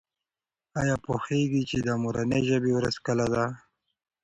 آیا ته پوهېږې چې د مورنۍ ژبې ورځ کله ده؟